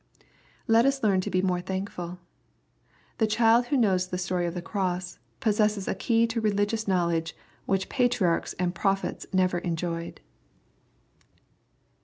Let us learn to be more thank« ful. The child who knows the story of the cross, posses ses a key to religious knowledge which patriarchs and prophets never enjoyed.